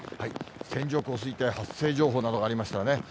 線状降水帯発生情報などがありました。